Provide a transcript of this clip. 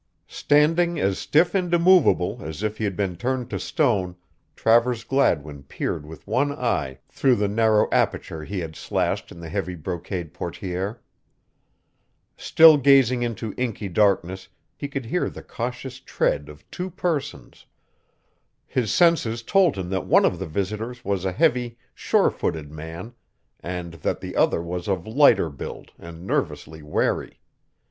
Standing as stiff and immovable as if he had been turned to stone, Travers Gladwin peered with one eye through the narrow aperture he had slashed in the heavy brocade portière. Still gazing into inky darkness he could hear the cautious tread of two persons. His senses told him that one of the visitors was a heavy, sure footed man and that the other was of lighter build and nervously wary.